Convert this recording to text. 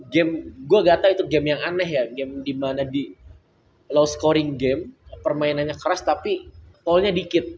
gue gak tau itu game yang aneh ya game dimana di low scoring game permainannya keras tapi tollnya dikit